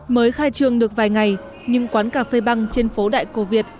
mới khai trường được vài ngày nhưng quán cà phê băng trên phố đại cô việt